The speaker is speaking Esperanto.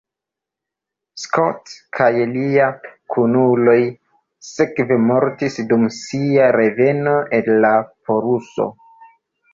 Scott kaj liaj kunuloj sekve mortis dum sia reveno el la poluso.